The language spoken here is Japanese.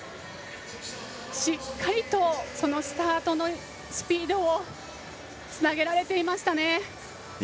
しっかりとそのスタートのスピードをつなげられていましたね。